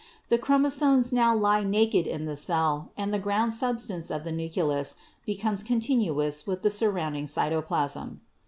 The chromosomes now lie naked in the cell and the ground substance of the nucleus becomes continuous with the surrounding cytoplasm.